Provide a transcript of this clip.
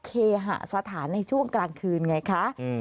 เคหสถานในช่วงกลางคืนไงคะ